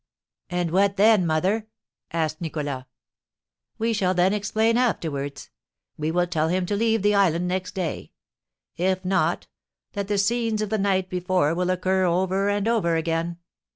"And what then, mother?" asked Nicholas. "We shall then explain afterwards. We will tell him to leave the island next day; if not, that the scenes of the night before will occur over and over again.